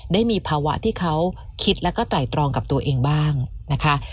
ได้มีภาวะที่เขาคิดแล้วก็ไตรตรองกับตัวเองบ้างนะคะ